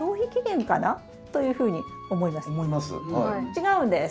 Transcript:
違うんです。